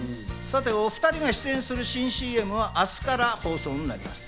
お２人が出演する新ＣＭは明日から放送になります。